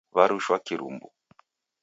Warushwa kirumbu